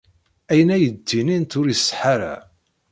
Ayen ay d-ttinint ur iṣeḥḥa ara.